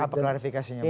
apa klarifikasinya bang